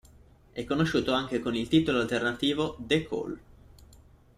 È conosciuto anche con il titolo alternativo "The Call".